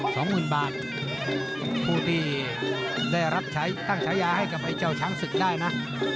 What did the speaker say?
สองหมื่นบาทผู้ที่ได้รับใช้ตั้งฉายาให้กับไอ้เจ้าช้างศึกได้นะ